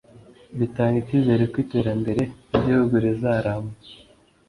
bitanga icyizere ko iterambere ry’igihugu rizaramba